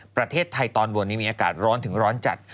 ประเทศไทยตอนบนนี้มีอากาศร้อนถึงร้อนจัด